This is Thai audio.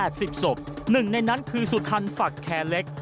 กว่า๘๐ศพหนึ่งในนั้นคือสุธรรมฝักแคร์เล็ก